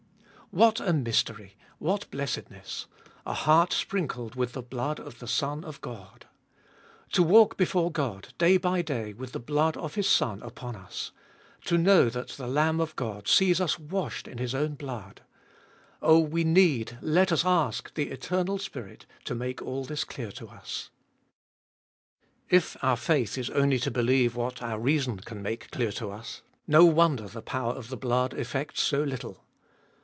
1. What a mystery I what blessedness I a heart sprinkled with the blood of the Son of God I To walk before God day by day with the blood of His Son upon us I To know that the Lamb of God sees us washed In His own blood I Oh, we need, let us ash, the Eternal Spirit to make all this clear to us. 2. If our faith Is only to belieue what our reason can make clear to us— no wonder the power of the blood effects so little.